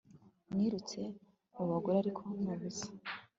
nirutse mubagore ariko nubusa